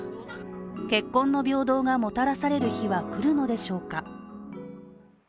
結婚の平等がもたらされる日は来るのでしょうか。